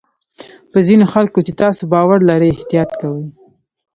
په ځینو خلکو چې تاسو باور لرئ احتیاط کوئ.